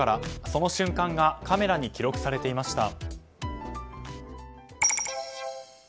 その瞬間がカメラに記録されていました。